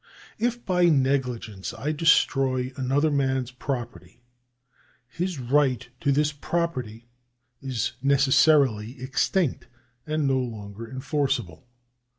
If by negligence I destroy another man's property, his right to this property is neces sarily extinct and no longer enforceable.